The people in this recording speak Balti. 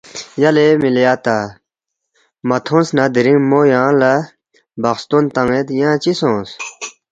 ”یلے مِلی اتا مہ تھونس نہ دِرِنگ مو یانگ لہ بخستون تیان٘ید ینگ چِہ سونگس